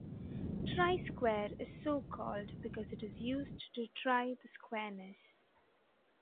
"Try square" is so called because it is used to "try" the squareness.